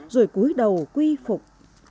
rồi cuối đầu quy phục